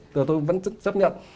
rồi tôi vẫn xác nhận